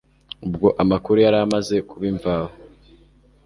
ubwo amakuru yari amaze kuba imvaho,